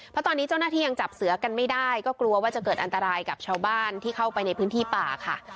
เพราะตอนนี้เจ้าหน้าที่ยังจับเสือกันไม่ได้ก็กลัวว่าจะเกิดอันตรายกับชาวบ้านที่เข้าไปในพื้นที่ป่าค่ะ